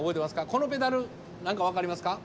このペダル何か分かりますか？